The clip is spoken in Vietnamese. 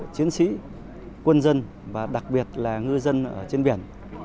chiến sĩ quân dân và đặc biệt là ngư dân ở trên biển